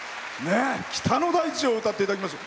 「北の大地」を歌っていただきました。